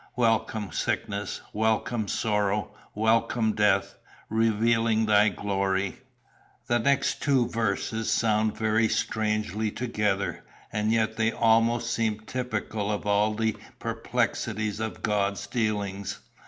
Welcome sickness, welcome sorrow, welcome death, revealing that glory! "The next two verses sound very strangely together, and yet they almost seem typical of all the perplexities of God's dealings.